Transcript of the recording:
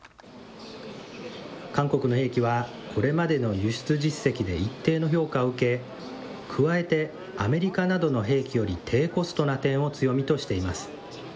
韓国の兵器はこれまでの輸出実績で一定の評価を受け、加えてアメリカなどの兵器より低コストな点を強みとしています。